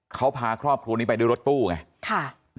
เขาพาครอบครัวนี้ไปด้วยรถตู้ไง